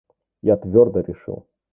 Я твердо решил.